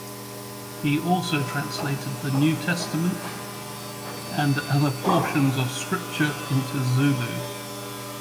He also translated the New Testament and other portions of Scripture into Zulu.